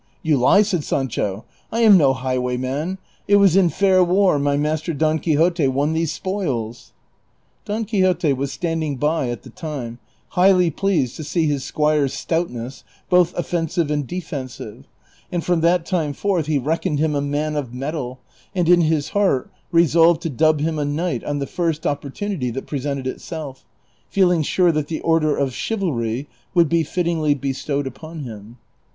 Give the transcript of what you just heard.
" You lie," said Sancho, " I am no highwayman ; it was in fair war my master Don Quixote won these spoils." Don Quixote was standing by at the time, highly pleased to see his squire's stoutness, both offensive and defensive, and from that time forth he reckoned him a man of mettle, and in his heart resolved to dub him a knight on the first opportunity that presented itself, feeling sure that the order of chivalry would be fittingly bestowed upon him.